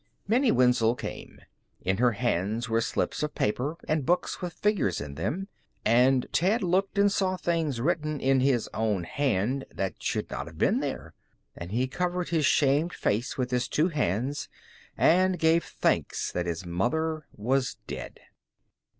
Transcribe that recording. Minnie Wenzel came. In her hand were slips of paper, and books with figures in them, and Ted looked and saw things written in his own hand that should not have been there. And he covered his shamed face with his two hands and gave thanks that his mother was dead.